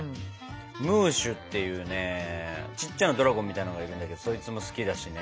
ムーシュっていうねちっちゃなドラゴンみたいのがいるんだけどそいつも好きだしね。